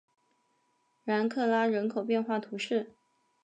然克拉人口变化图示